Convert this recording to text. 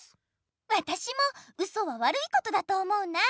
わたしもウソはわるいことだと思うな。